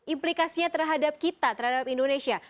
implikasinya terhadap kita terhadap indonesia